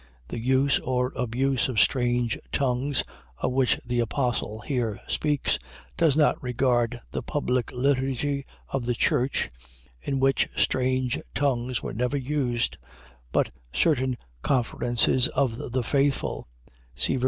The use or abuse of strange tongues, of which the apostle here speaks, does not regard the public liturgy of the church, (in which strange tongues were never used,) but certain conferences of the faithful, ver.